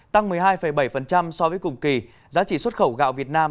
tăng một mươi hai bảy so với cùng kỳ giá trị xuất khẩu gạo việt nam